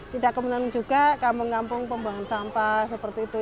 tidak kebetulan juga kampung kampung pembangun sampah seperti itu